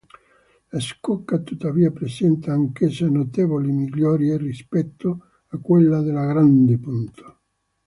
La scocca tuttavia presenta anch'essa notevoli migliorie rispetto a quella della Grande Punto.